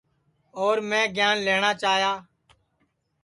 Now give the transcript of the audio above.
اور میں گیان لئیوٹؔا چاہی